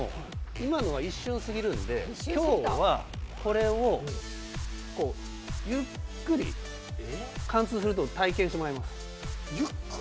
今のは一瞬すぎるので、今日はこれをゆっくり貫通するのを体験してもらいます。